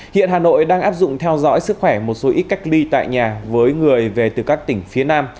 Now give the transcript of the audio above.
hiện hà nội đang áp dụng theo dõi sức khỏe một số ít cách ly tại nhà với người về từ các tỉnh phía nam